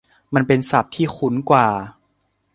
มันเป็นศัพท์ที่คุ้นกว่า